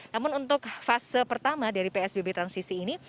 namun untuk fase pertama dari psbb transisi ini